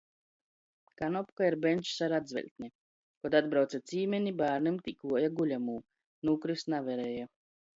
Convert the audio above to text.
Kanopka ir beņčs ar atzveļtni. Kod atbrauce cīmeni, bārnim tī kluoja guļamū - nūkrist navarēja.